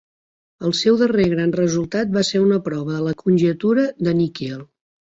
El seu darrer gran resultat va ser una prova de la conjectura de Nikiel.